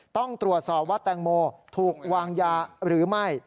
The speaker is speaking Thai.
ต้องตรวจสอบว่าแตงโมถูกวางยาหรือไม่